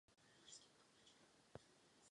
Koncem století se zapojil do zemské politiky.